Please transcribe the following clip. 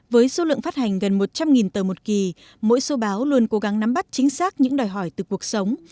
với số lượng phát hành gần một trăm linh tờ một kỳ mỗi số báo luôn cố gắng nắm bắt chính xác những đòi hỏi từ cuộc sống